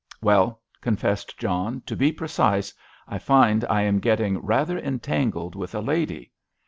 "Well," confessed John, "to be precise, I find I am getting rather entangled with a lady."